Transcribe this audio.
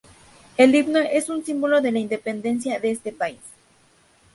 El Himno es un símbolo de la independencia de este país.